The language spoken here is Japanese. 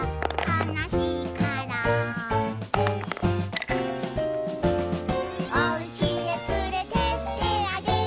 「かなしいから」「おうちへつれてってあげよ」